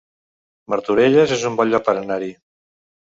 Martorelles es un bon lloc per anar-hi